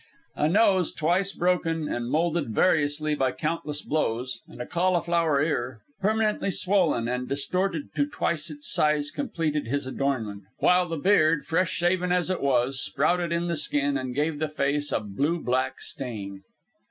A nose twice broken and moulded variously by countless blows, and a cauliflower ear, permanently swollen and distorted to twice its size, completed his adornment, while the beard, fresh shaven as it was, sprouted in the skin and gave the face a blue black stain.